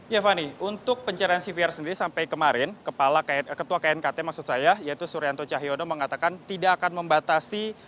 ya fani untuk pencarian cvr sendiri sampai kemarin ketua knkt maksud saya yaitu suryanto cahyono mengatakan tidak akan membatasi